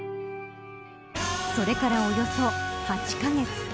それからおよそ８カ月。